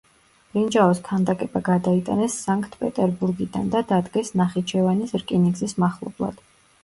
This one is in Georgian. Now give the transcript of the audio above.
ბრინჯაოს ქანდაკება გადაიტანეს სანქტ-პეტერბურგიდან და დადგეს ნახიჩევანის რკინიგზის მახლობლად.